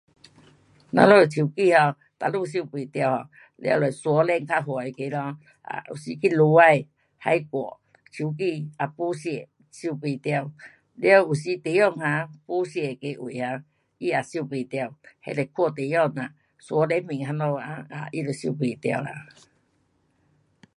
我们的手机 um 哪里收不到，了就山顶较远那个咯，啊有时去下海，海外，手机也没线。收不到，了有时地方啊，没线那个位哈，他也收不到，那得看地方呐，山顶面那边 um 他就收不到了。